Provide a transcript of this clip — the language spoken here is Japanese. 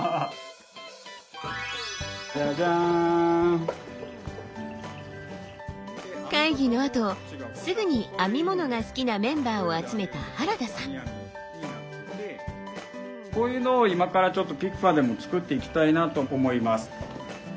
じゃじゃん！会議のあとすぐに編み物が好きなメンバーを集めた原田さん。こういうのを今からちょっとＰＩＣＦＡでも作っていきたいなと思います。